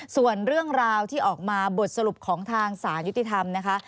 ส่วนเรื่องราวที่ออกมาบทสรุปของทางสารยุติธรรมนะคะ